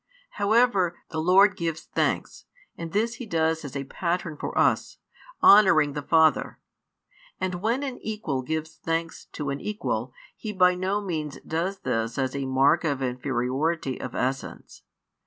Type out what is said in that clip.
However, the Lord gives thanks, and this He does as a Pattern for us, honouring the Father. But when an equal gives thanks to an equal, he by no means does this as a mark of inferiority of essence.